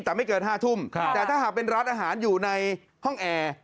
แต่ไม่เกิน๕ทุ่มแต่ถ้าหากเป็นร้านอาหารอยู่ในห้องแอร์